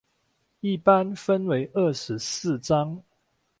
一般分为二十四章。